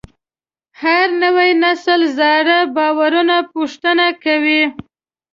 هر نوی نسل زاړه باورونه پوښتنه کوي.